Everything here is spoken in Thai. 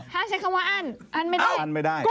ถ้าใช้คำว่าอ้านอ้านไม่ได้